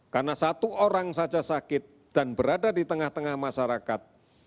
karena satu orang saja sakit dan berada di tengah tengah masyarakat